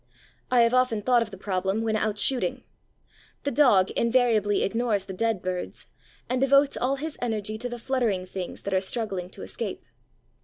I have often thought of the problem when out shooting. The dog invariably ignores the dead birds and devotes all his energy to the fluttering things that are struggling to escape.